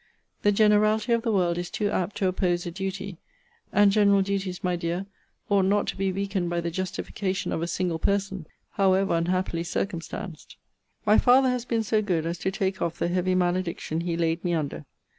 The generality of the world is too apt to oppose a duty and general duties, my dear, ought not to be weakened by the justification of a single person, however unhappily circumstanced. My father has been so good as to take off the heavy malediction he laid me under.